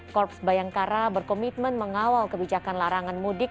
korps bayangkara berkomitmen mengawal kebijakan larangan mudik